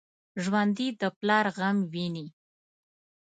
ژوندي د پلار غم ویني